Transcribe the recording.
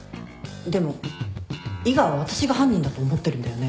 でも伊賀は私が犯人だと思ってるんだよね？